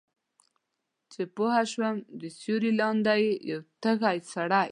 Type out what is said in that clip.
چې پوهه شوه د سیوری لاندې یې یو تږی سړی